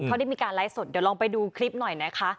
เขาได้มีการไลฟ์สดเดี๋ยวลองไปดูคลิปหน่อยนะคะ